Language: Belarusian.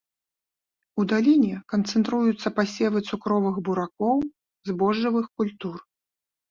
У даліне канцэнтруюцца пасевы цукровых буракоў, збожжавых культур.